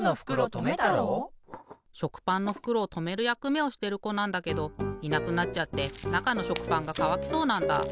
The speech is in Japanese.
しょくパンのふくろをとめるやくめをしてるこなんだけどいなくなっちゃってなかのしょくパンがかわきそうなんだ。